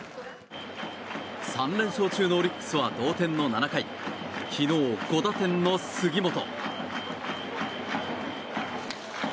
３連勝中のオリックスは同点の７回昨日、５打点の杉本。